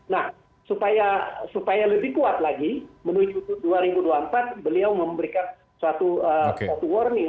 nah supaya lebih kuat lagi menuju dua ribu dua puluh empat beliau memberikan suatu warning